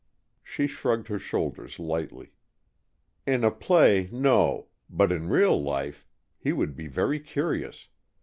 She shrugged her shoulders lightly. "In a play, no. But in real life, he would be very curious.